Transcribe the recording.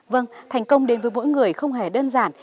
vâng thành công đến với mỗi người không hề đơn giản